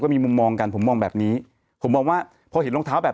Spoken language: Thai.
มีมุมมองกันผมมองแบบนี้ผมมองว่าพอเห็นรองเท้าแบบ